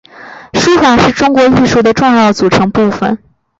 书法是中国艺术的重要组成部份。